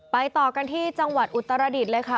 ต่อกันที่จังหวัดอุตรดิษฐ์เลยค่ะ